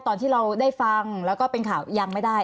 ตอนที่เราได้ฟังแล้วก็เป็นข่าวยังไม่ได้